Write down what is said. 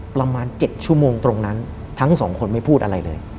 ประมาณ๗ชั่วโมงตรงนั้นทั้งสองคนไม่พูดอะไรเลย